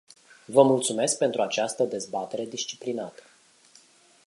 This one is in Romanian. Vă mulțumesc pentru această dezbatere disciplinată.